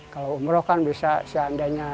kalau umroh kan bisa seandainya